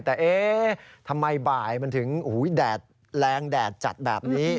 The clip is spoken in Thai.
แต่เอ๊ะทำไมบ่ายมันถึงแดดแรงแดดจัดแบบนี้